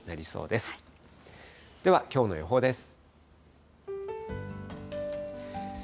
ではきょうの予報です。